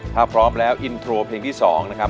ถ้าพร้อมแล้วอินโทรเพลงที่๒นะครับ